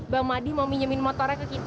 bang madi mau minjemin motornya ke kita